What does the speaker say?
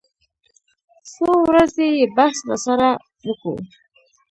څو ورځې يې بحث راسره وکو.